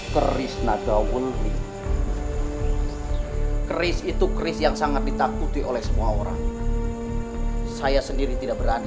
krisnagaulwi kris itu kris yang sangat ditakuti oleh semua orang saya sendiri tidak berani